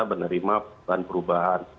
menerima bahan perubahan